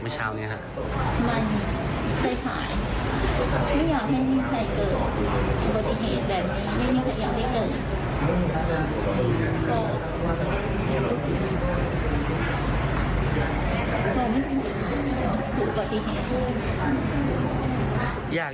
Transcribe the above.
ก็รู้สึกว่าถูกบัตริเหตุ